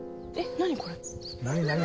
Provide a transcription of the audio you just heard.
何？